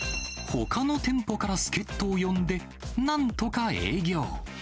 ほかの店舗から助っ人を呼んで、なんとか営業。